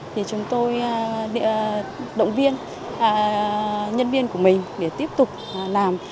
thì chúng tôi động viên nhân viên của mình để tiếp tục làm